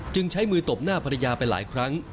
ใช้มือตบหน้าภรรยาไปหลายครั้ง